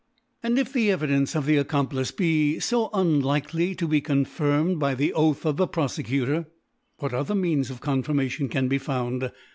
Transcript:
And if the Evidence of the Accomplice be {o unlikely to be coniirxned by the Oath ioi the ProfecutoP', what other Means of Con •firmaiion can be found